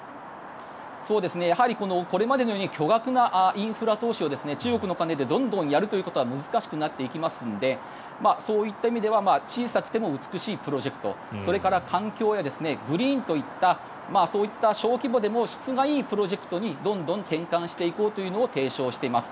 これまでのように巨額なインフラ投資を中国の金でどんどんやるということは難しくなっていきますのでそういった意味では小さくても美しいプロジェクトそれから環境やグリーンといった小規模でも質がいいプロジェクトにどんどん転換していこうというのを提唱しています。